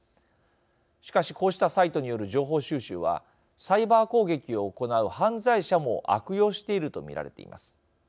しかしこうしたサイトによる情報収集はサイバー攻撃を行う犯罪者も悪用していると見られています。